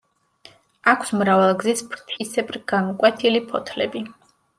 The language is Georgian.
აქვს მრავალგზის ფრთისებრ განკვეთილი ფოთლები.